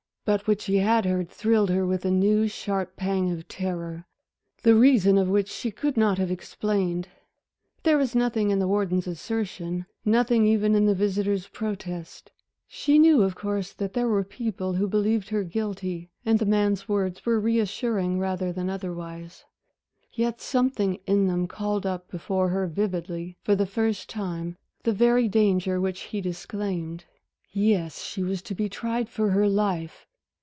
But what she had heard thrilled her with a new, sharp pang of terror, the reason of which she could not have explained. There was nothing in the warden's assertion, nothing even in the visitor's protest. She knew of course that there were people who believed her guilty, and the man's words were reassuring rather than otherwise. Yet something in them called up before her vividly for the first time the very danger which he disclaimed. Yes, she was to be tried for her life!